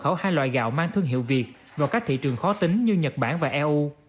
khẩu hai loại gạo mang thương hiệu việt vào các thị trường khó tính như nhật bản và eu